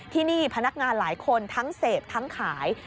ที่นี่พนักงานหลายคนทั้งเสพทั้งขาย